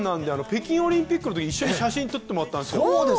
北京オリンピックのときに一緒に写真撮ってもらったんですよね。